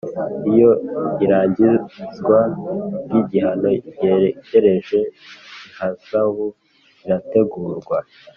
Iyo irangizwa ry igihano ryegereje ihazabu irategurwa